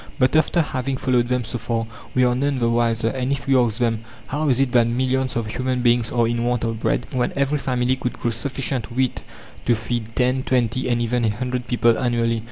But after having followed them so far, we are none the wiser, and if we ask them: "How is it that millions of human beings are in want of bread, when every family could grow sufficient wheat to feed ten, twenty, and even a hundred people annually?"